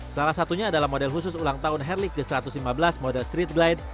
salah satunya adalah model khusus ulang tahun harley ke satu ratus lima belas model street glide